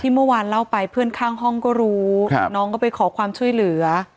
เมื่อวานเล่าไปเพื่อนข้างห้องก็รู้น้องก็ไปขอความช่วยเหลือ